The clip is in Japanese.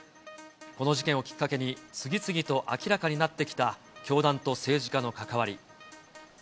この事件をきっかけに、次々と明らかになってきた教団と政治家の関わり。